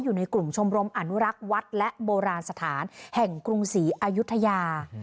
อยู่ในกลุ่มชมรมอนุรักษ์วัดและโบราณสถานแห่งกรุงศรีอายุทยา